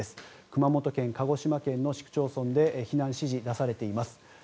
熊本県、鹿児島県の市区町村で避難指示が出されています。